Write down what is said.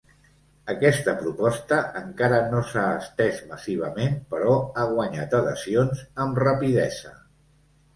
Aquesta proposta encara no s'ha estès massivament però ha guanyat adhesions amb rapidesa.